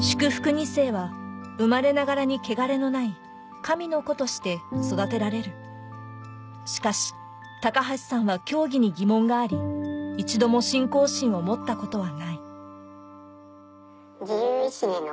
２世は生まれながらに汚れのない「神の子」として育てられるしかし高橋さんは教義に疑問があり一度も信仰心を持ったことはないそれは。